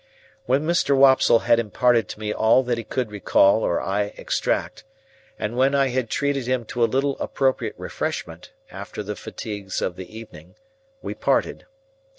When Mr. Wopsle had imparted to me all that he could recall or I extract, and when I had treated him to a little appropriate refreshment, after the fatigues of the evening, we parted.